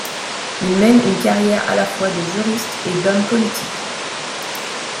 Il mène une carrière à la fois de juriste et d'homme politique.